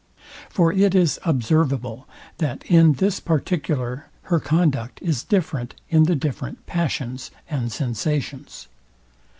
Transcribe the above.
For it is observable, that in this particular her conduct is different in the different passions and sensations.